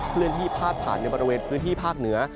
เลื่อนที่พาดผ่านในบริเวณพื้นที่ภาคเหนือ